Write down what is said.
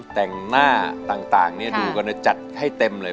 แห่งหน้าต่างเนี่ยดูกันจะจัดให้เต็มเลย